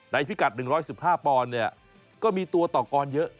พิกัด๑๑๕ปอนด์เนี่ยก็มีตัวต่อกรเยอะ